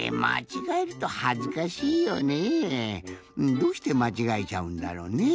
どうしてまちがえちゃうんだろうねぇ？